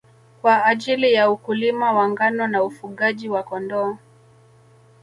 Kwa ajili ya ukulima wa ngano na ufugaji wa Kondoo